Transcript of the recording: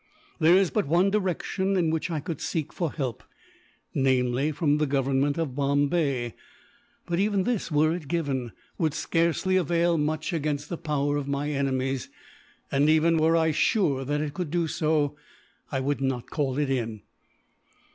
"There is but one direction in which I could seek for help namely, from the Government of Bombay but even this, were it given, would scarcely avail much against the power of my enemies. And even were I sure that it could do so, I would not call it in.